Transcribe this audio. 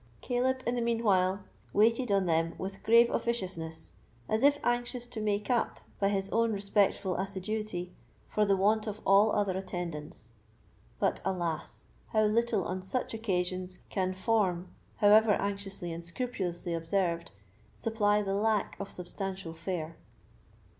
Caleb in the mean while waited on them with grave officiousness, as if anxious to make up, by his own respectful assiduity, for the want of all other attendance. But, alas! how little on such occasions can form, however anxiously and scrupulously observed, supply the lack of substantial fare!